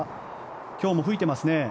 今日も吹いてますね。